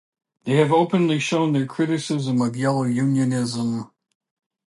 They have openly shown their criticism of yellow unionism.